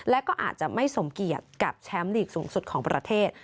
และก็อาจจะไม่สมเกียจกับแชมป์ลีกสูงสุดของประเทศ